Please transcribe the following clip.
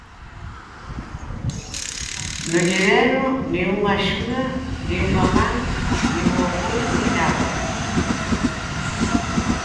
Non lle deron nin unha axuda, nin unha man, nin un apoio nin nada.